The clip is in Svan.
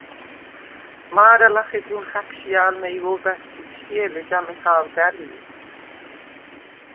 მა̄რა ლახე გუნ ხა̈ქშჲა̄ლვნე ი ვო̄ბა̈შს იქშჲე̄ლ, ეჯა მეჰა̄ვდა̈რ ლი.